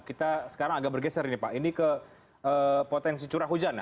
kita sekarang agak bergeser ini pak ini ke potensi curah hujan ya